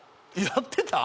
やってた？